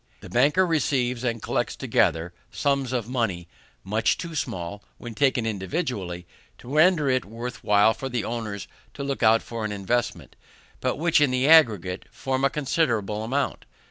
The banker receives and collects together sums of money much too small, when taken individually, to render it worth while for the owners to look out for an investment, but which in the aggregate form a considerable amount.